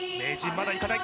まだいかない